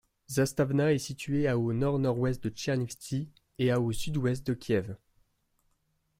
Zastavna est située à au nord-nord-ouest de Tchernivtsi et à au sud-ouest de Kiev.